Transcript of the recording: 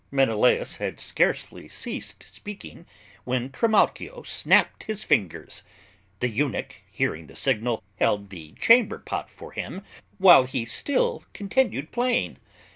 Menelaus had scarcely ceased speaking when Trimalchio snapped his fingers; the eunuch, hearing the signal, held the chamber pot for him while he still continued playing.